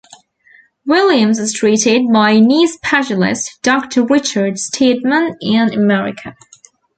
Williams was treated by knee specialist Doctor Richard Steadman in America.